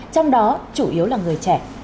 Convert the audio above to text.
trong đó chủ yếu là người trẻ